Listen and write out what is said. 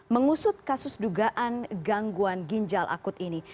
mengusut kasus dugaan gangguan ginjal akut ini